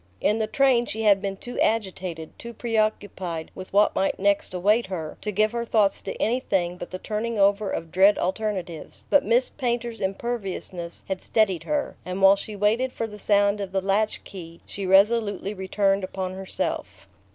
In the train she had been too agitated, too preoccupied with what might next await her, to give her thoughts to anything but the turning over of dread alternatives; but Miss Painter's imperviousness had steadied her, and while she waited for the sound of the latch key she resolutely returned upon herself.